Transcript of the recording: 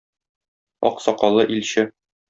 Ак сакаллы илче.